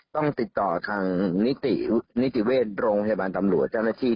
ต้องติดต่อนิติเวรที่โรงพยาบาลตำรับรวจเจ้านาทีเรา